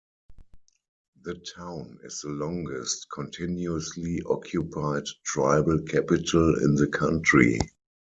The town is the longest continuously occupied tribal capital in the country.